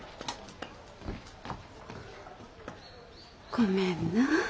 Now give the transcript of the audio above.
ごめんな。